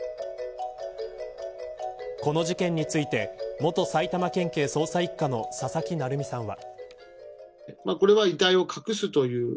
この事件について元埼玉県警捜査一課の佐々木成三さんは。